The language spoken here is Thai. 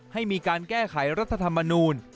ให้มีการแก้ไขรัฐธรรมนูล